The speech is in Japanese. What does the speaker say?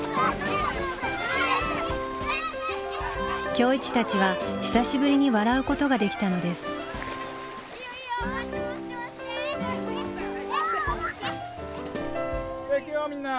今日一たちは久しぶりに笑うことができたのです・じゃあいくよみんな。